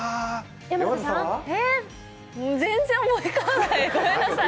全然思い浮かばない。